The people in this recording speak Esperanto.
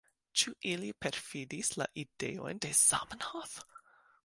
Ĉu ili perfidis la ideojn de Zamenhof?